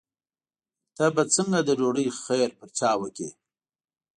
ته به څنګه د ډوډۍ خیر پر چا وکړې.